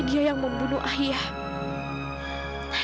dia yang membunuh ayah